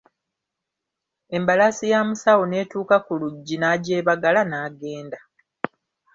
Embalaasi ya musawo n'etuuka ku luggi n'agyebagala n'agenda.